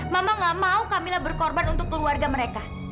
mama nggak mau kamila berkorban untuk keluarga mereka